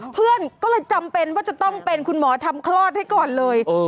เพื่อนก็เลยจำเป็นว่าจะต้องเป็นคุณหมอทำคลอดให้ก่อนเลย